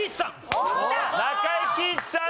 中井貴一さん